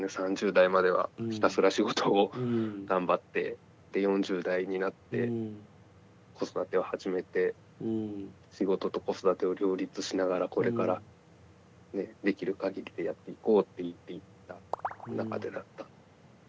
３０代まではひたすら仕事を頑張ってで４０代になって子育てを始めて仕事と子育てを両立しながらこれからできるかぎりでやっていこうって言っていた中でだった。